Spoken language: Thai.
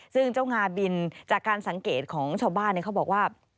ซึ่งเจ้างาบินจากการสังเกตของชาวบ้านเขาบอกว่า